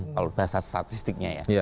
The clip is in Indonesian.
kalau bahasa statistiknya ya